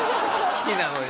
好きなのに？